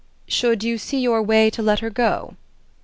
"Should you see your way to let her go?"